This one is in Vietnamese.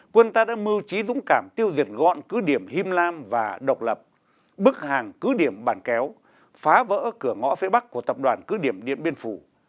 quân ta đã mưu trí dũng cảm tiêu diệt gọn cứ điểm him lam và độc lập bức hàng cứ điểm bàn kéo phá vỡ cửa ngõ phía bắc của tập đoàn cứ điểm điện biên phủ